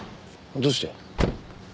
どうして？